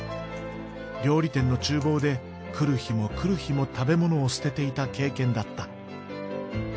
料理店の厨房で来る日も来る日も食べ物を捨てていた経験だった。